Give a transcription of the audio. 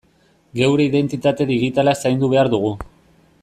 Geure identitate digitala zaindu behar dugu.